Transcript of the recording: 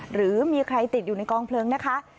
หรือมีใครติดอยู่ในกองเพลิงนะคะ